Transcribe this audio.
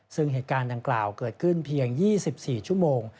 ซึ่งเหตุการณ์ดังกล่าวเกิดขึ้นเพียง๒๔ชั่วโมง